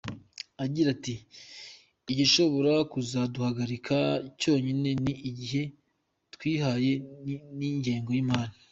Agira ati “Igishobora kuzaduhagarika cyonyine ni igihe twihaye n’ingengo y’imari.